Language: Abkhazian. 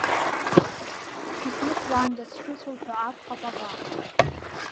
Дысмықәланда сшыцәоу ҳәа акәхап аӷа.